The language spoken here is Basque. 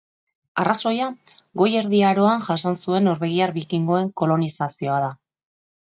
Arrazoia Goi Erdi Aroan jasan zuen norvegiar bikingoen kolonizazioa da.